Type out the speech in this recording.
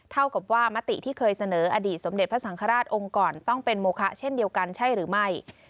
เท่ากับว่ามติที่เคยเสนออดีตสมเด็จพระสังฆราชองค์ก่อนต้องเป็นโมคะเช่นเดียวกันใช่หรือไม่